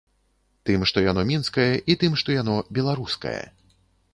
Тым, што яно мінскае, і тым, што яно беларускае.